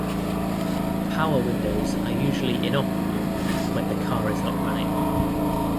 Power windows are usually inoperable when the car is not running.